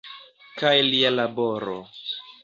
Kaj lia laboro.